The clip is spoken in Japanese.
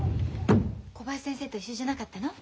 小林先生と一緒じゃなかったの？